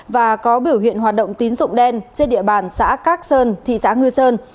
và có biểu hiện hoạt động tín dụng đen trên địa bàn xã các sơn thị xã nghi sơn